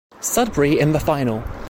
Sudbury in the final.